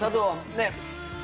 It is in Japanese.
ねっ